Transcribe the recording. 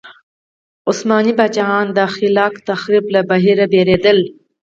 عثماني پاچاهان د خلاق تخریب له بهیره ډارېدل.